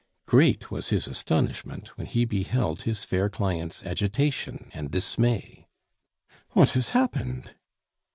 Great was his astonishment when he beheld his fair client's agitation and dismay. "What has happened?"